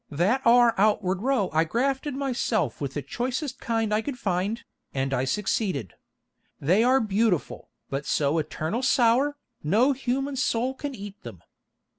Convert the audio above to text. That are outward row I grafted myself with the choicest kind I could find, and I succeeded. They are beautiful, but so etarnal sour, no human soul can eat them.